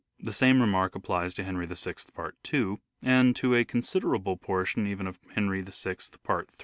The same remark applies to " Henry VI," part 2, and to a considerable portion even of " Henry VI," part 3.